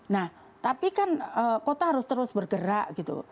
nah tapi kan kota harus terus bergerak gitu